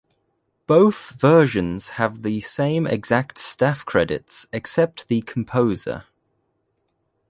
Both versions have the same exact staff credits except the composer.